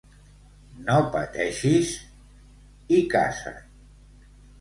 No pateixis... i casa't!